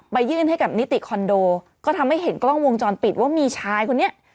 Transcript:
ยื่นให้กับนิติคอนโดก็ทำให้เห็นกล้องวงจรปิดว่ามีชายคนนี้